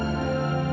aku mau pergi